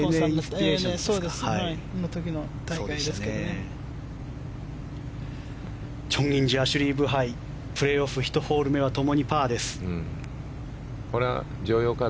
チョン・インジアシュリー・ブハイプレーオフ、１ホール目はともにパーです。